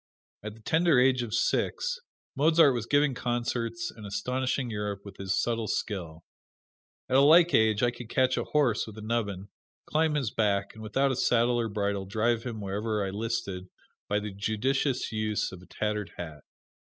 At the tender age of six, Mozart was giving concerts and astonishing Europe with his subtle skill. At a like age I could catch a horse with a nubbin, climb his back, and without a saddle or bridle drive him wherever I listed by the judicious use of a tattered hat.